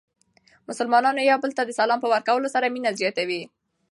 مسلمانان یو بل ته د سلام په ورکولو سره مینه زیاتوي.